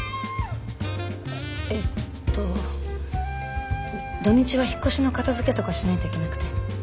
えっと土日は引っ越しの片づけとかしないといけなくて。